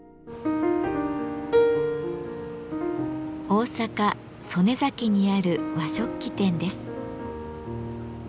大阪・曽根崎にある和食器店です。